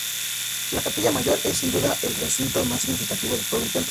La capilla mayor es sin duda el recinto más significativo de todo el templo.